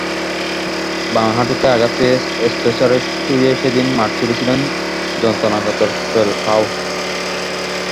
বাঁ হাঁটুতে আঘাত পেয়ে স্ট্রেচারে শুয়ে সেদিন মাঠ ছেড়েছিলেন যন্ত্রণাকাতর ফ্যালকাও।